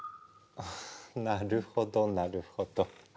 なるほどなるほど。